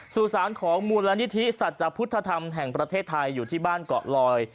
สู่สารของมูลนิธิสัจพุทธธรรมแห่งประเทศไทยอยู่ที่บ้านเกาะลอย